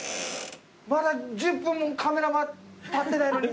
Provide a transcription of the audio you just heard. まだ１０分もカメラたってないのに。